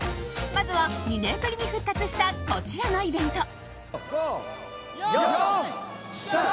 まずは２年ぶりに復活したこちらのイベント。